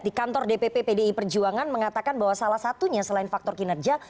di kantor dpp pdi perjuangan mengatakan bahwa salah satunya selain faktor kinerja